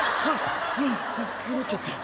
「戻っちゃったよ」